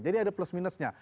jadi ada plus minusnya